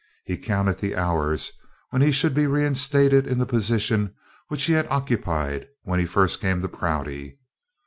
He counted the hours when he should be reinstated in the position which he had occupied when he first came to Prouty.